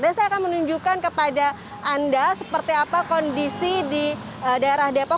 dan saya akan menunjukkan kepada anda seperti apa kondisi di daerah depok